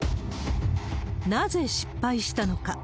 なぜ失敗したのか。